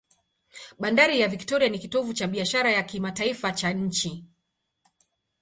Bandari ya Victoria ni kitovu cha biashara ya kimataifa cha nchi.